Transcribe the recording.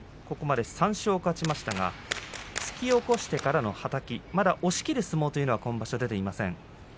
ここまで３勝、勝ちましたが突き起こしてからの、はたきまだ押しきる相撲は出ていません。